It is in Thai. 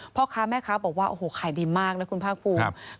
เพราะค้าแม่ค้าบอกว่าคายดีมากนะคุณพากภูค่ะ